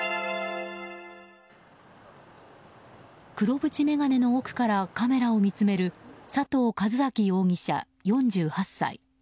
黒縁眼鏡の奥からカメラを見つめる佐藤一昭容疑者、４８歳。